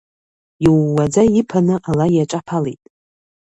Иууаӡа иԥаны ала иаҿаԥалеит.